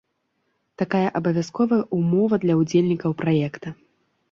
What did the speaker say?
Такая абавязковая ўмова для ўдзельнікаў праекта.